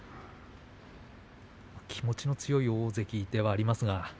気持ちの強い大関ではありますが。